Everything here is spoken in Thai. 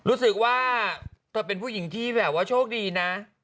รู้สึกว่าเธอเป็นผู้หญิงที่แบบว่าโชคดีนะ